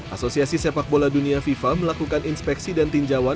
asosiasi sepak bola dunia fifa melakukan inspeksi dan tinjauan